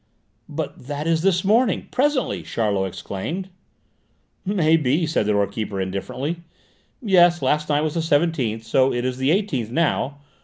"But that is this morning presently," Charlot exclaimed. "May be," said the door keeper indifferently; "yes, last night was the seventeenth, so it is the eighteenth now!